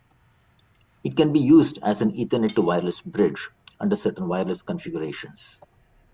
It can be used as an Ethernet-to-wireless bridge under certain wireless configurations.